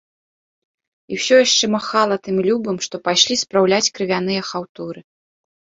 І ўсё яшчэ махала тым любым, што пайшлі спраўляць крывяныя хаўтуры.